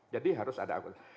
jadi harus ada akuntan